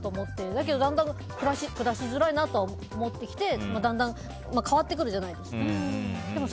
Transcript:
だけどだんだん暮らしづらいなとは思ってきてだんだん変わってくるじゃないですか。